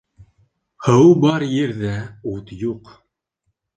Һыу бар ерҙә ут юҡ